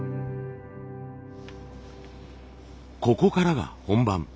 ここからが本番。